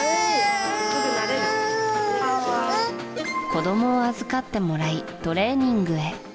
子供を預かってもらいトレーニングへ。